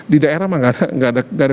di daerah mah gak ada